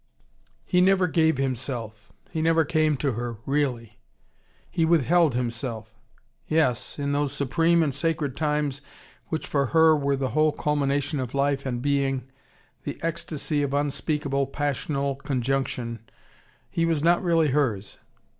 He never gave himself. He never came to her, really. He withheld himself. Yes, in those supreme and sacred times which for her were the whole culmination of life and being, the ecstasy of unspeakable passional conjunction, he was not really hers.